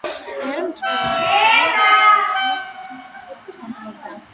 ბევრ მწვერვალზე ასვლას თვითონ ხელმძღვანელობდა.